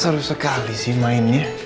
seru sekali sih mainnya